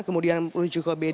kemudian menuju ke b dua